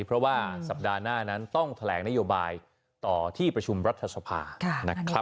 เพราะว่าสัปดาห์หน้านั้นต้องแถลงนโยบายต่อที่ประชุมรัฐสภานะครับ